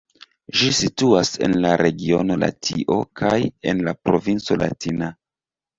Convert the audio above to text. Ĝi situas en la regiono Latio kaj en la provinco Latina.